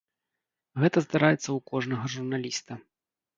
Гэта здараецца ў кожнага журналіста.